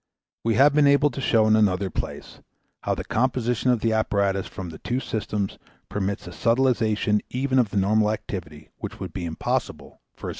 We have been able to show in another place how the composition of the apparatus from the two systems permits a subtilization even of the normal activity which would be impossible for a single system.